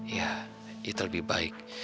ya itu lebih baik